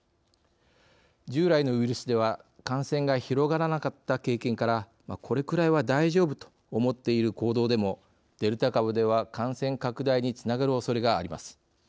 従来のウイルスでは感染が広がらなかった経験からこれくらいは大丈夫と思っている行動でもデルタ株では感染拡大につながるおそれがあります。